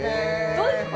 どうですか？